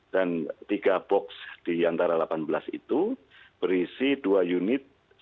dan tiga box di antara delapan belas itu berisi dua unit sepeda